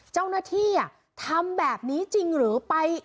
เจ้าหน้าที่ทำแบบนี้จริงหรือไป